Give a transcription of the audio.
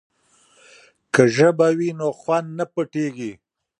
که ژبه وي نو خوند نه پټیږي.